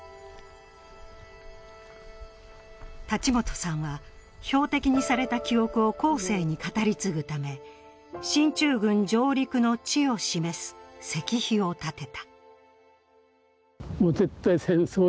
立元さんは、標的にされた記憶を後世に語り継ぐため、進駐軍上陸の地を示す石碑を建てた。